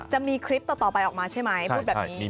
จะมีคลิปต่อไปออกมาใช่ไหมพูดแบบนี้